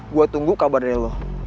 gue tunggu kabar dari lo